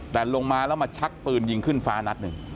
แต่ลงมาแล้วมาชักปืนยิงขึ้นฟ้านัดหนึ่ง